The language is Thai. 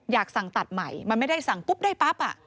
อยากสั่งตัดใหม่มันไม่ได้สั่งปุ๊บได้ปั๊บ